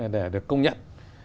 để được công nhận